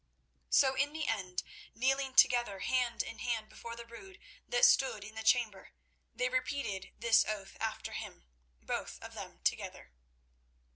So in the end, kneeling together hand in hand before the Rood that stood in the chamber, they repeated this oath after him, both of them together.